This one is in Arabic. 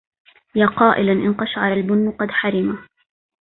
يا قائلا إن قشر البن قد حرما